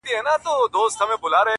یوه ورځ قسمت راویښ بخت د عطار کړ!.